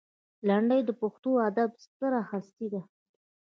لنډۍ د پښتو ادب ستره هستي ده.